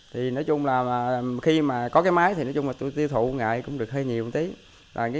thì nói chung là khi mà có cái máy thì nói chung là tiêu thụ nghệ cũng được hơi nhiều một tí